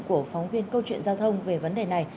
của phóng viên câu chuyện giao thông về vấn đề này